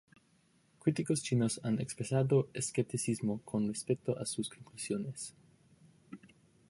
Críticos chinos han expresado escepticismo con respecto a sus conclusiones.